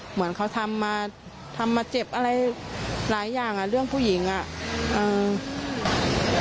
เหมือนเขาทำมาทำมาเจ็บอะไรหลายอย่างอ่ะเรื่องผู้หญิงอ่ะเออ